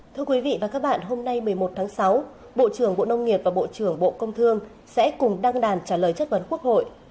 thưa quý vị và các bạn hôm nay một mươi một tháng sáu bộ trưởng bộ nông nghiệp và bộ trưởng bộ công thương sẽ cùng đăng đàn trả lời chất vấn quốc hội